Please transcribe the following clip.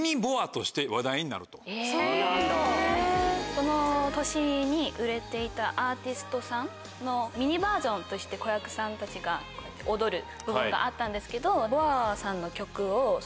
この年に売れていたアーティストさんのミニバージョンとして子役さんたちが踊る部門があったんですけど。